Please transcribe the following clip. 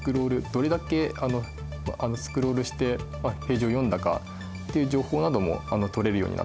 どれだけスクロールしてページを読んだかっていう情報なども取れるようになっています。